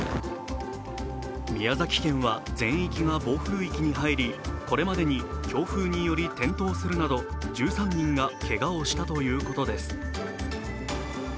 宮崎県は全域が暴風域に入りこれまでに強風により転倒するなど１３人がけがをしたということです。